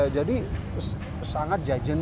jadi sangat jajan